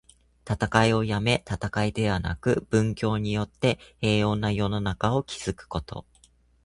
戦いをやめ、戦いではなく、文教によって平穏な世の中を築くこと。